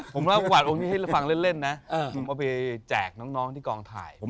ปรากฏว่าองค์นี้แพงกว่าองค์นู้น